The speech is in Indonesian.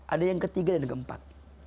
ada yang ketiga dan yang keempat